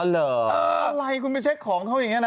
อะไรคุณไปเช็คของเขาอย่างนี้นะ